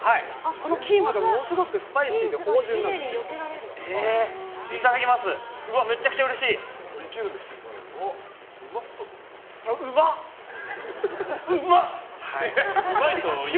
このキーマがものすごくスパイシーで芳醇なんですよ。